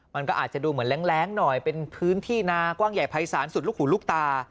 มันก็อาจจะดูเหมือนแรงหน่อยเป็นพื้นที่นากว้างใหญ่ภัยศาลสุดลูกหูลูกตา